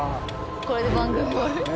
これで番組終わる。